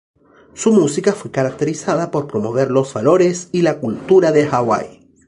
Su música fue caracterizada por promover los valores y la cultura de Hawái.